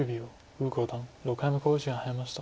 呉五段６回目の考慮時間に入りました。